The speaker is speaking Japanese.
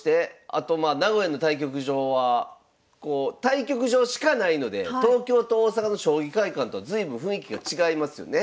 あとまあ名古屋の対局場は対局場しかないので東京と大阪の将棋会館とは随分雰囲気が違いますよね。